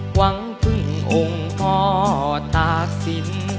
หวังพึ่งองค์พอตักสิ้น